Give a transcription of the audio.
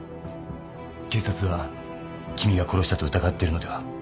警察は君が殺したと疑ってるのでは？